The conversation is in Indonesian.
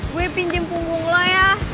gue pinjam punggung lo ya